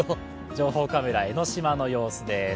情報カメラ、江の島の様子です。